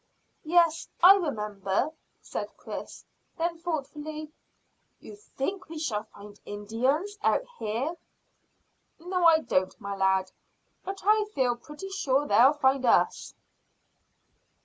"Yes, I remember," said Chris. Then thoughtfully, "You think we shall find Indians out here?" "No, I don't, my lad; but I feel pretty sure they'll find us."